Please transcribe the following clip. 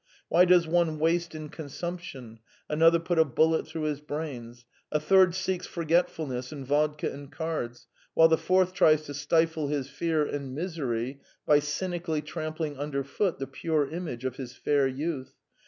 Why does one waste in consumption, another put a bullet through his brains, a third seeks forgetfulness in vodka and cards, while the fourth tries to stifle his fear and misery by cynically trampling underfoot the pure image of his fair youth?